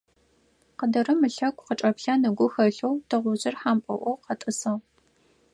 Къыдырым ылъэгу къычӀэплъэн ыгу хэлъэу тыгъужъыр хьампӀэӏоу къэтӀысыгъ.